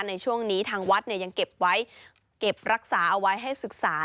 ในช่วงนี้ทางวัดยังเก็บไว้เก็บรักษาเอาไว้ให้ศึกษา